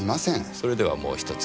それではもう１つ。